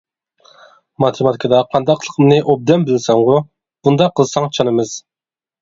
ماتېماتىكىدا قانداقلىقىمنى ئوبدان بىلىسەنغۇ؟ بۇنداق قىلساڭ چانىمىز.